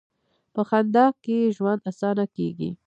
په خندا کښېنه، ژوند اسانه کېږي.